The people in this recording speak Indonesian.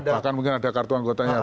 bahkan mungkin ada kartu anggotanya